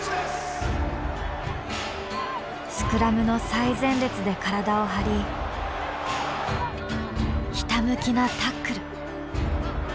スクラムの最前列で体を張りひたむきなタックル。